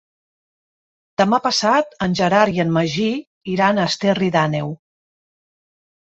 Demà passat en Gerard i en Magí iran a Esterri d'Àneu.